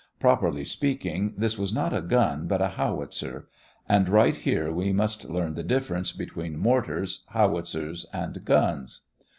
Properly speaking, this was not a gun, but a howitzer; and right here we must learn the difference between mortars, howitzers, and guns.